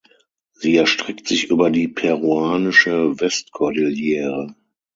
Sie erstreckt sich über die peruanische Westkordillere.